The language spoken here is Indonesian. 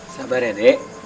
sabar ya dek